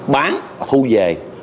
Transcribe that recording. bán và thu về